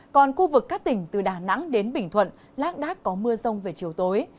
còn khu vực các tỉnh từ đà nẵng đến bình thuận lát đát có mưa rông về chiều tối